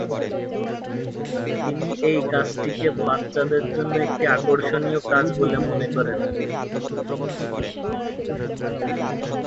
তিনি এই কাজটিকে বাচ্চাদের জন্য একটি আকর্ষণীয় কাজ বলে মনে করেন।